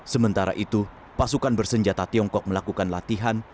sementara itu pasukan bersenjata tiongkok melakukan latihan